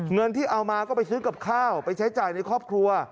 เงินที่เอามาก็ไปซื้อกับข้าวไปใช้จ่ายในครอบครัว